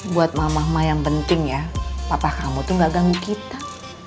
buat mama yang penting ya papa kamu tuh gak ganggu kita